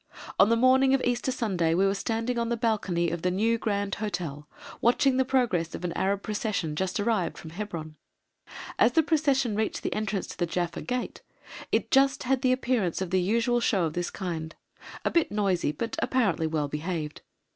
On the morning of Easter Sunday we were standing on the balcony of the New Grand Hotel watching the progress of an Arab procession just arrived from Hebron. As the procession reached the entrance to the Jaffa Gate it just had the appearance of the usual show of this kind a bit noisy, but apparently well behaved.